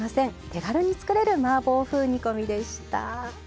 手軽に作れるマーボー風煮込みでした。